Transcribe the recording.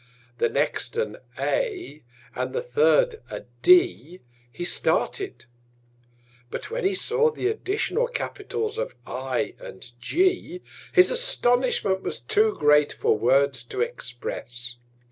the next an A. and the third a D. he started; but when he saw the additional Capitals of I and G. his Astonishment was too great for Words to express.